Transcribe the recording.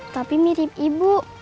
tapi mirip ibu